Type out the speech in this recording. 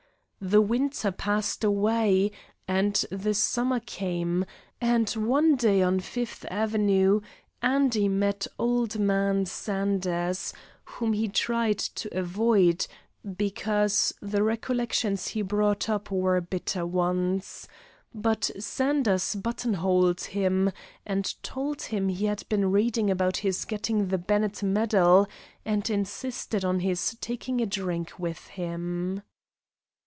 The winter passed away and the summer came, and one day on Fifth Avenue Andy met old man Sanders, whom he tried to avoid, because the recollections he brought up were bitter ones; but Sanders buttonholed him and told him he had been reading about his getting the Bennett medal, and insisted on his taking a drink with him.